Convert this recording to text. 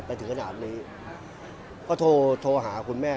ไปถึงขนาดนี้เขาโทรโทรหาคุณแม่